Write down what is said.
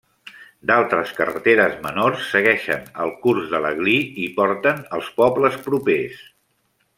D'altres carreteres menors segueixen el curs de l'Aglí i porten als pobles propers.